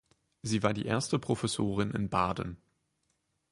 Sie war die erste Professorin in Baden.